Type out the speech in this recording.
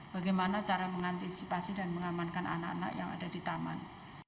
bagaimana cara mengantisipasi dan mengamankan anak anak yang ada di taman